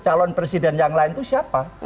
calon presiden yang lain itu siapa